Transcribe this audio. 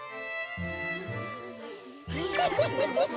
フフフフフ。